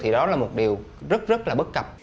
thì đó là một điều rất rất là bất cập